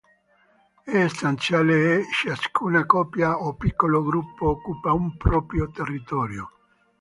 È stanziale, e ciascuna coppia o piccolo gruppo occupa un proprio territorio.